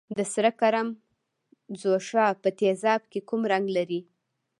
د سره کرم ځوښا په تیزاب کې کوم رنګ لري؟